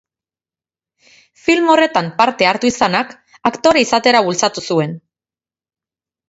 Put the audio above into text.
Film horretan parte hartu izanak, aktore izatera bultzatu zuen.